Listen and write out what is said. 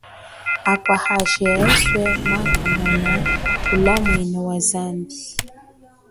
Akwa hashi eswe maakamona ulamwino wa zambi.